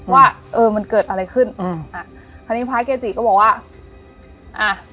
ว่าเออมันเกิดอะไรขึ้นอืมอ่าคราวนี้พระเกจิก็บอกว่าอ่า